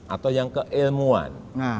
atau yang keilmuan